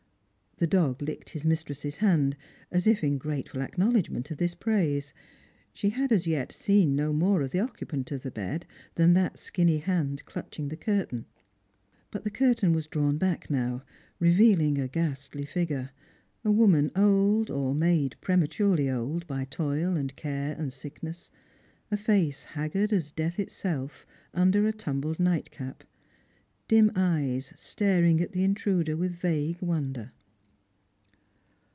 The dog licked his mistress's hand, as if in grateful ac knowledgment of this praise. She had as yet seen no more of the occupant of the bed than that skinny hand clutching the curtain; but the curtain was drawn back now, reveaUng a ghastly figure ; a woman, old, or made prematurely old by toil and care and sickness ; a face haggard as death itself, under a tumbled nightcap ; dim eyes staring at the intruder with vague wonder.